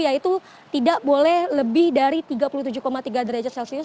yaitu tidak boleh lebih dari tiga puluh tujuh tiga derajat celcius